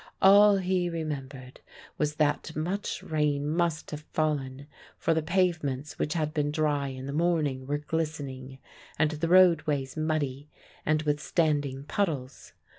All he remembered was that much rain must have fallen; for the pavements which had been dry in the morning were glistening, and the roadways muddy and with standing puddles.